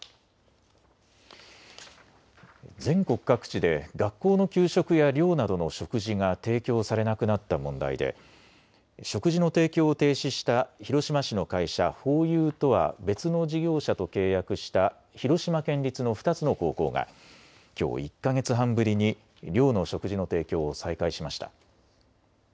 全国各地で学校の給食や寮などの食事が提供されなくなった問題で食事の提供を停止した広島市の会社、ホーユーとは別の事業者と契約した広島県立の２つの高校がきょう１か月半ぶりに寮の食事の提供を再開しました。